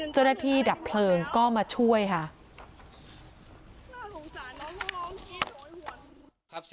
ดับเพลิงก็มาช่วยค่ะ